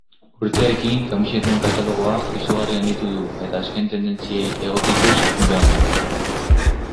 Urteekin kamiseten katalogoa izugarri handitu du eta azken tendentziei egokituz joan da.